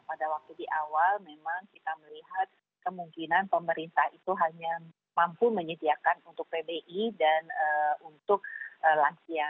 pada waktu di awal memang kita melihat kemungkinan pemerintah itu hanya mampu menyediakan untuk pbi dan untuk lansia